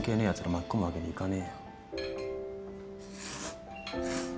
巻き込むわけにいかねえよ。